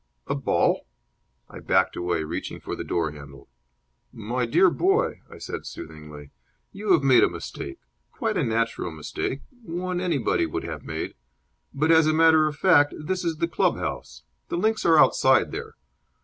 "A ball?" I backed away, reaching for the door handle. "My dear boy," I said, soothingly, "you have made a mistake. Quite a natural mistake. One anybody would have made. But, as a matter of fact, this is the club house. The links are outside there.